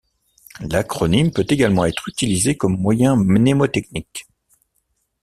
L'acronyme peut également être utilisé comme moyen mnémotechnique.